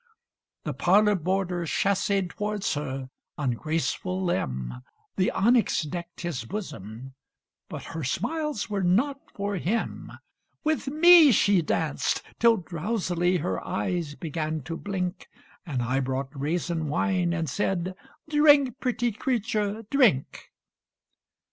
The parlor boarder chasséed tow'rds her on graceful limb; The onyx decked his bosom but her smiles were not for him: With me she danced till drowsily her eyes "began to blink," And I brought raisin wine, and said, "Drink, pretty creature, drink!"